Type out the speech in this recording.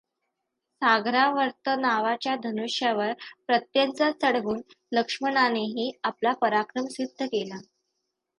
सागरावर्त नावाच्या धनुष्यावर प्रत्यंचा चढवून लक्ष्मणानेही आपला पराक्रम सिद्ध केला.